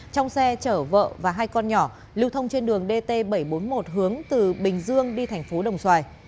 trong xe chở vợ và hai con nhỏ lưu thông trên đường dt bảy trăm bốn mươi một hướng từ bình dương đi thành phố đồng xoài